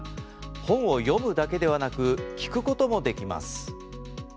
本を読むだけではなく聴くこともできます。